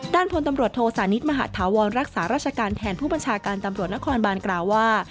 พลตำรวจโทสานิทมหาธาวรรักษาราชการแทนผู้บัญชาการตำรวจนครบานกล่าวว่า